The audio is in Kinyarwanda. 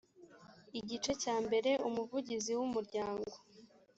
igice cya mbere umuvugizi w’umuryango